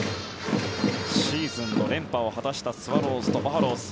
シーズンの連覇を果たしたスワローズとバファローズ。